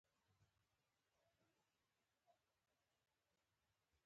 او اړیکې مو تلپاتې دي.